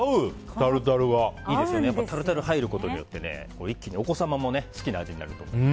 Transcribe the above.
タルタルが入ることによって一気にお子様も好きな味になると。